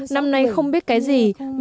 năm nay không biết cái gì